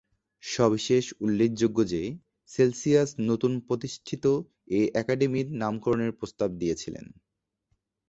সবিশেষ উল্লেখযোগ্য যে, সেলসিয়াস নতুন প্রতিষ্ঠিত এ একাডেমীর নামকরণের প্রস্তাব দিয়েছিলেন।